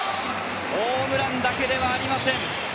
ホームランだけではありません。